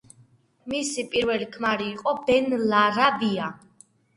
მისი პირველი ქმარი იყო ბენ ლარავია.